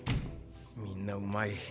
みんなうまい。